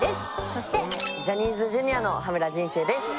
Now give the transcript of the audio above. そしてジャニーズＪｒ．の羽村仁成です